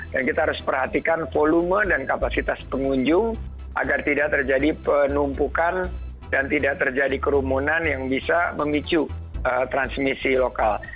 dan kita harus perhatikan volume dan kapasitas pengunjung agar tidak terjadi penumpukan dan tidak terjadi kerumunan yang bisa memicu transmisi lokal